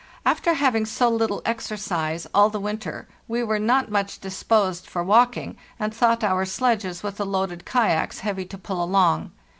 After having had so little exercise all the winter, we were not much disposed for walking, and thought our sledges with the loaded kayaks heavy to pull along.